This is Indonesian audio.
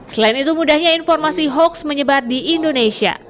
selain itu mudahnya informasi hoax menyebar di indonesia